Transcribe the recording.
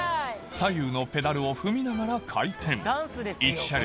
左右のペダルを踏みながら回転１車両